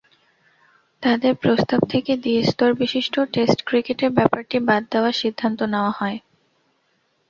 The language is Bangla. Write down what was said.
তাদের প্রস্তাব থেকে দ্বি-স্তরবিশিষ্ট টেস্ট ক্রিকেটের ব্যাপারটি বাদ দেওয়ার সিদ্ধান্ত নেওয়া হয়।